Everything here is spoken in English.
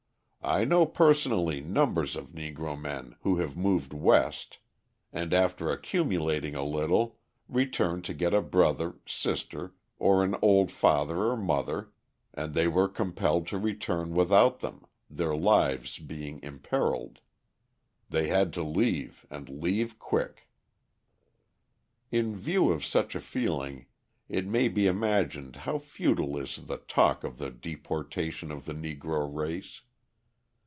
I know personally numbers of Negro men who have moved West and after accumulating a little, return to get a brother, sister, or an old father or mother, and they were compelled to return without them, their lives being imperilled; they had to leave and leave quick. In view of such a feeling it may be imagined how futile is the talk of the deportation of the Negro race.